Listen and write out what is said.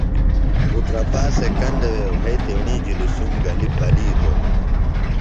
اُترپا سےۡ کندہ وے وھئیۡ تیڻی جُھلیۡ سُم گلیۡ پلِیتوۡ ہنوۡ